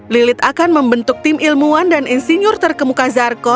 lilith akan membentuk tim ilmuwan dan insinyur terkemuka zarkon